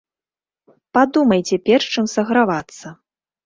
Падумайце, перш чым сагравацца.